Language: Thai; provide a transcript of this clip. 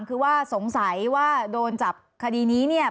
๓คือว่าสงสัยว่าโดนจับคดีนี้